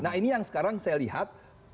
nah ini yang sekarang saya lihat